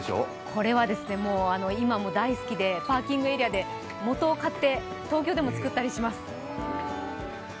これは今も大好きで、パーキングエリアで素を買って東京でも作ったりします。